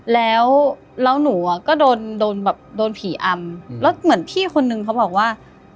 แล้วหนูก็โดนศิษย์อ่ำแล้วเหมือนพี่คนนึงเขาบอกว่า